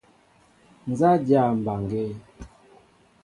Nzá a dyâ mbaŋgēē?